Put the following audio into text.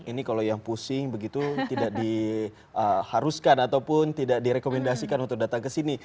ini kalau yang pusing begitu tidak diharuskan ataupun tidak direkomendasikan untuk datang ke sini